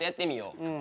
うん。